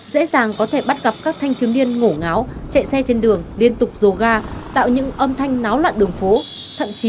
dễ dàng có thể bắt gặp các thanh thiếu liên ngổ ngáo chạy xe trên đường liên tục dồ ga tạo những âm thanh náo lạc